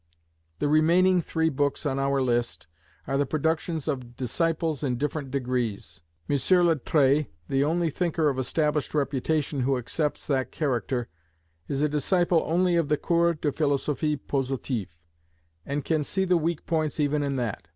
The remaining three books on our list are the productions of disciples in different degrees. M. Littré, the only thinker of established reputation who accepts that character, is a disciple only of the Cours de Philosophie Positive, and can see the weak points even in that.